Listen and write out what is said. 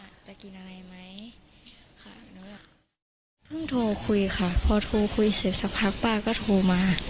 พึ่งโทรคุยค่ะพอโทรคุยเสร็จสักพักป้าก็โทรมา